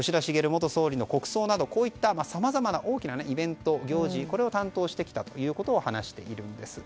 元総理の国葬などさまざまな大きなイベント、行事を担当してきたということを話しているんです。